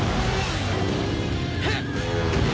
フッ！